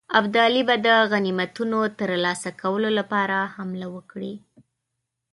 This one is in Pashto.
ابدالي به د غنیمتونو ترلاسه کولو لپاره حمله وکړي.